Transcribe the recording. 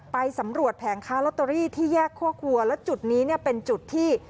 ไปสำรวจแผงค้าลอตเตอรี่ที่แยกครัวและจุดนี้เนี่ยเป็นจุดที่